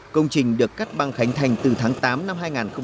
công trình được cắt băng khánh thành từ tháng tám năm hai nghìn một mươi chín